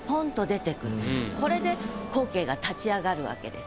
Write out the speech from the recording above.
これで光景が立ち上がるわけですね。